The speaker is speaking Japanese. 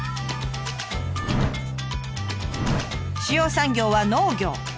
主要産業は農業。